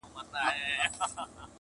چرمګرته چي یې هرڅومره ویله -